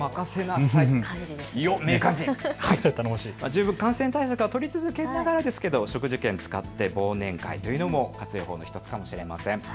十分、感染対策を取りながら食事券を使って忘年会というのも活用法の１つかもしれません。